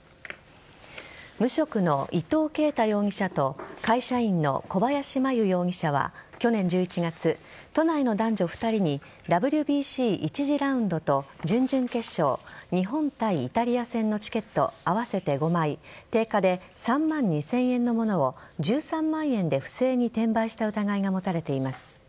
無職の伊藤啓太容疑者と会社員の小林真優容疑者は去年１１月、都内の男女２人にＷＢＣ１次ラウンドと準々決勝日本対イタリア戦のチケット合わせて５枚定価で３万２０００円のものを１３万円で不正に転売した疑いが持たれています。